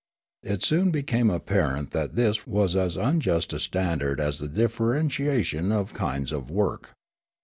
It soon became apparent that this was as un just a standard as the differentiation of kinds of work.